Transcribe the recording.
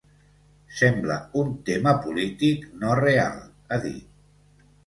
Sembla un tema polític, no real, ha dit.